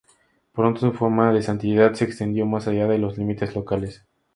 Pronto su fama de santidad se extendió más allá de los límites locales.